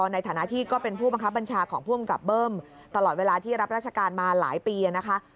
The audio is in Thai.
ในฐานะที่ก็เป็นผู้บังคับบัญชาของผู้กำกับเบิ้มตลอดเวลาที่รับราชการมาหลายปีนะคะ